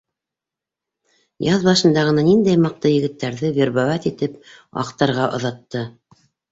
Яҙ башында ғына ниндәй мыҡты егеттәрҙе вербовать итеп аҡтарға оҙатты.